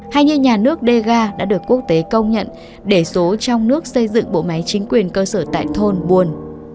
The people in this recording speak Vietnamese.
hay như nhà nước dega đã được quốc tế công nhận để số trong nước xây dựng bộ máy chính quyền cơ sở tại thôn buồn